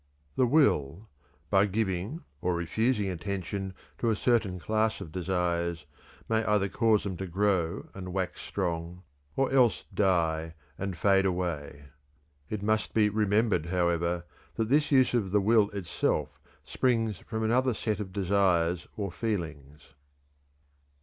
The will, by giving or refusing attention to a certain class of desires, may either cause them to grow and wax strong, or else die and fade away. It must be remembered, however, that this use of the will itself springs from another set of desires or feelings.